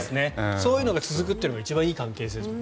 そういうのが続くっていうのが一番いい関係性です。